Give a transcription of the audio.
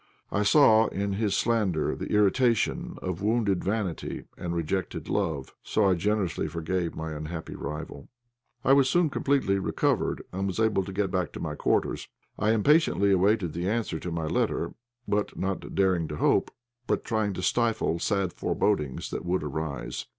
I saw in his slander the irritation of wounded vanity and rejected love, so I generously forgave my unhappy rival. I was soon completely recovered, and was able to go back to my quarters. I impatiently awaited the answer to my letter, not daring to hope, but trying to stifle sad forebodings that would arise.